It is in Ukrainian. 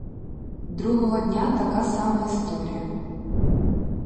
Другого дня така сама історія.